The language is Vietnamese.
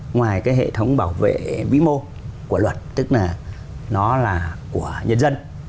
ngoài cái hệ thống bảo vệ bí mô của luật tức là nó là của nhân dân